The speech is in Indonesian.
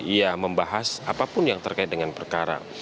ia membahas apapun yang terkait dengan perkara